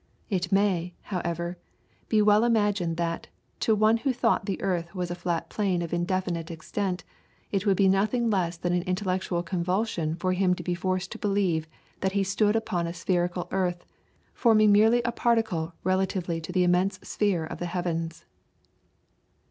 It may, however, be well imagined that, to one who thought the earth was a flat plain of indefinite extent, it would be nothing less than an intellectual convulsion for him to be forced to believe that he stood upon a spherical earth, forming merely a particle relatively to the immense sphere of the heavens.